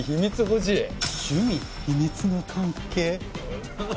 「趣味秘密の関係」